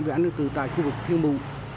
về an tử tài khu vực thiên bù